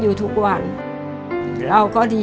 มันต้องการแล้วก็หายให้มัน